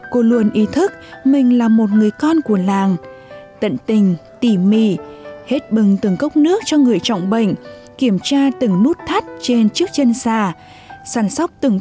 cô luôn ý thức mình là một người con của làng